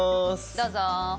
どうぞ！